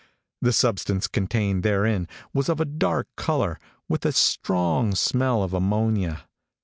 The substance contained therein, was of a dark color, with a strong smell of ammonia.